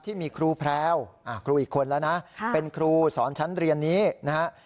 ที่มีครูแพรวครูอีกคนแล้วนะเป็นครูสอนชั้นเรียนนี้นะฮะ